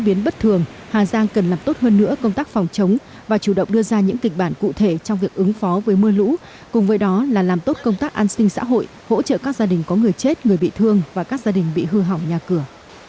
tỉnh hà giang nhanh chóng chỉ đạo các địa phương và các gia đình bị hư hỏng nhà cửa